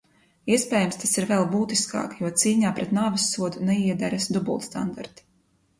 Iespējams, tas ir vēl būtiskāk, jo cīņā pret nāvessodu neiederas dubultstandarti.